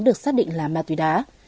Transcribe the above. được xác định là ma tùy đá